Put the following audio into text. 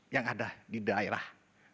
yang ada di daerah